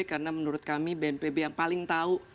karena menurut kami bnpb yang paling tahu